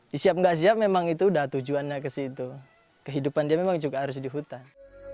di siap nggak siap memang itu udah tujuannya ke situ kehidupan dia memang juga harus di hutan